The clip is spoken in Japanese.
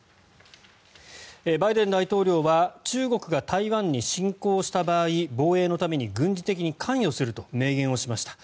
バイデン大統領は中国が台湾に侵攻した場合防衛のために軍事的に関与すると明言をしました。